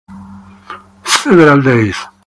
Field days.